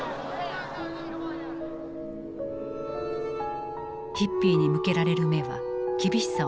ヒッピーに向けられる目は厳しさを増した。